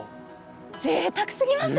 ぜいたくすぎますね。